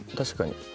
確かに。